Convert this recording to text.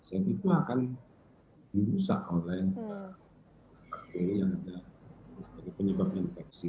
dan itu akan dirusak oleh bakteri yang ada penyebab infeksi